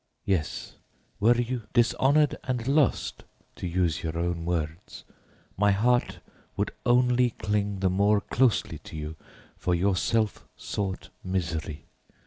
Yes, were you dishonored and lost, to use your own words, my heart would only cling the more closely to you for your self sought misery.